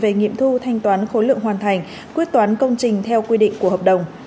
về nghiệm thu thanh toán khối lượng hoàn thành quyết toán công trình theo quy định của hợp đồng